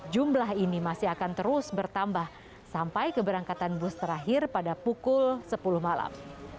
jumlah ini masih akan terus bertambah sampai keberangkatan bus terakhir pada pukul sepuluh malam